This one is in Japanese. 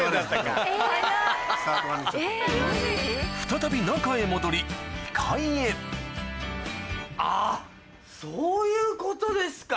再び中へ戻りあっそういうことですか。